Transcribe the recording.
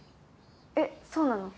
えっそうなの？